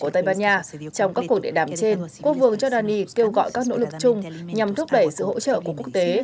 trong các cuộc địa đàm trên quốc vương jordani kêu gọi các nỗ lực chung nhằm thúc đẩy sự hỗ trợ của quốc tế